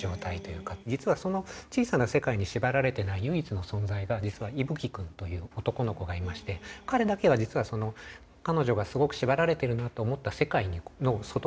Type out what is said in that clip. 実はその小さな世界に縛られてない唯一の存在が実は伊吹くんという男の子がいまして彼だけは彼女がすごく縛られているなと思った世界の外側に平気でジャンプできる子。